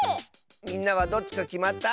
みんなはどっちかきまった？